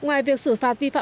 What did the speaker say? ngoài việc xử phạt vi phạm